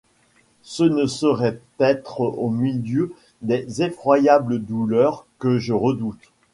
Ce ne saurait être au milieu des effroyables douleurs que je redoute.